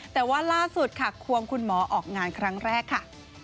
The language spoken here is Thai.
แต่ว่าล่าสุดค่ะควงคุณหมอออกงานครั้งแรกค่ะ